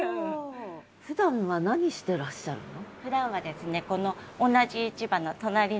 ふだんは何してらっしゃるの？